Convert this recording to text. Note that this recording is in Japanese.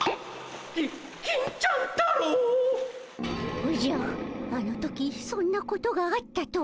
おじゃっあの時そんなことがあったとは。